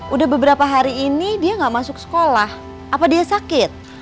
udah beberapa hari ini dia gak masuk sekolah apa dia sakit